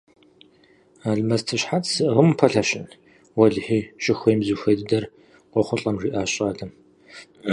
Алмэсты щхьэц зыӀыгъым упэлъэщын, – уэлэхьи, щыхуейм зыхуей дыдэр къохъулӀэм, – жиӀащ щӀалэм.